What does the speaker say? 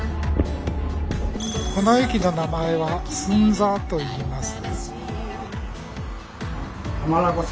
この駅の名前は「寸座」といいます。